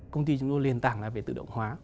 công ty chúng tôi liên tảng là về tự động hóa